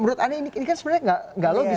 menurut anda ini kan sebenarnya nggak logis